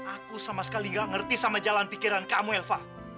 aku sama sekali gak ngerti sama jalan pikiran kamu elva